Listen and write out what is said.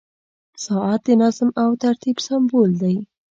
• ساعت د نظم او ترتیب سمبول دی.